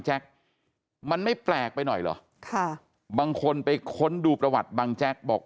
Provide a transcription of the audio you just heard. มันไม่แปลกไปหน่อยเหรอค่ะบางคนไปค้นดูประวัติบังแจ๊กบอก